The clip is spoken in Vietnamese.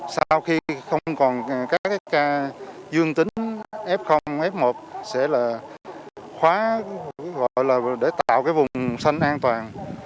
sau khi không còn các cái ca dương tính f f một sẽ là khóa gọi là để tạo cái vùng xanh an toàn